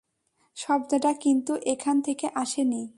শব্দটা কিন্তু এখান থেকে আসেনি।